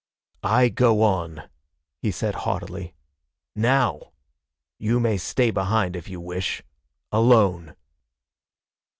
"I go on," he said haughtily. "Now! You may stay behind if you wish alone!"